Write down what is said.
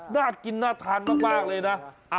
น่ากินน่าทานมากเลยนะ